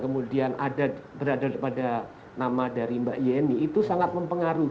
kemudian ada berada pada nama dari mbak yeni itu sangat mempengaruhi